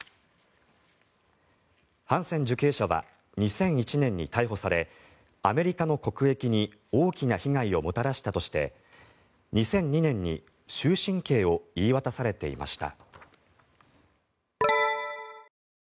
ハンセン受刑者は２００１年に逮捕されアメリカの国益に大きな被害をもたらしたとして２００２年に終身刑を言い渡されていました。